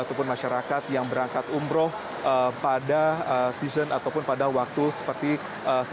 ataupun masyarakat yang berangkat umroh pada season ataupun pada waktu seperti sebelumnya